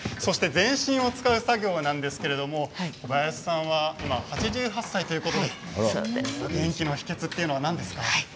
そして全身を使う作業なんですが小林さんは今８８歳ということで元気の秘けつは何ですか。